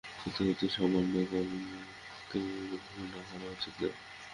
কিন্তু অতি সামান্য কর্মকেও ঘৃণা করা উচিত নয়।